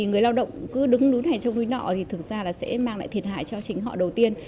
người lao động cứ đứng núi này trong núi nọ thì thực ra sẽ mang lại thiệt hại cho chính họ đầu tiên